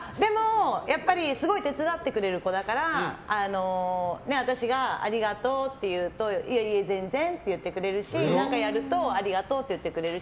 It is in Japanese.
やっぱり、すごい手伝ってくれる子だから私がありがとうって言うといえいえ全然って言ってくれるし何かやるとありがとうって言ってくれるし。